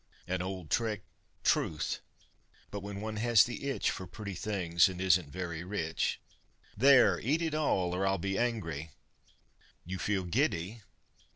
An old trick? Truth! But when one has the itch For pretty things and isn't very rich. ... There, eat it all or I'll Be angry! You feel giddy?